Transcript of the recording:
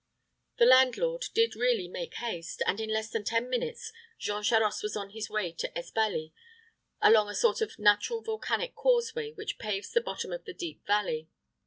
The landlord did really make haste, and in less than ten minutes Jean Charost was on his way to Espaly, along a sort of natural volcanic causeway which paves the bottom of the deep valley.